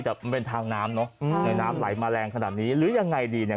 แต่มันเป็นทางน้ำเนอะเลยน้ำไหลมาแรงขนาดนี้หรือยังไงดีเนี่ย